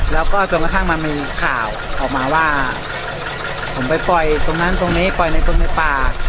แล้วก็จนกระทั่งมันมีข่าวออกมาว่าผมไปปล่อยตรงนั้นตรงนี้ปล่อยในตรงในป่า